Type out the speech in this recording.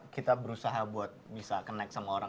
kita berusaha buat bisa connect sama orang